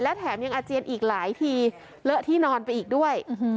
และแถมยังอาเจียนอีกหลายทีเลอะที่นอนไปอีกด้วย